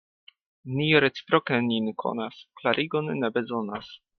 Ni reciproke nin konas, klarigon ne bezonas.